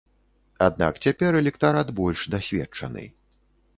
Аднак цяпер электарат больш дасведчаны.